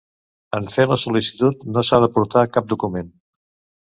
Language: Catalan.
En fer la sol·licitud no s'ha d'aportar cap document.